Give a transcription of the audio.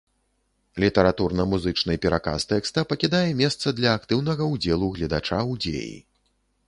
Літаратурна-музычны пераказ тэкста пакідае месца для актыўнага ўдзелу гледача ў дзеі.